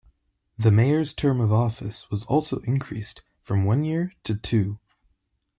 The mayor's term of office was also increased from one year to two.